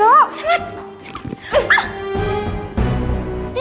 aku mau liat